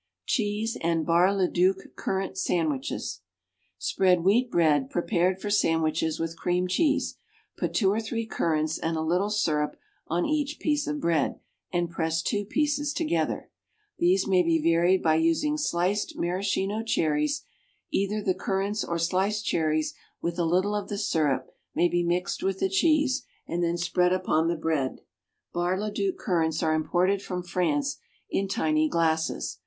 =Cheese and Bar le Duc Currant Sandwiches.= Spread wheat bread, prepared for sandwiches, with cream cheese; put two or three currants and a little syrup on each piece of bread, and press two pieces together. These may be varied by using sliced maraschino cherries. Either the currants or sliced cherries with a little of the syrup may be mixed with the cheese and then spread upon the bread. Bar le Duc currants are imported from France in tiny glasses.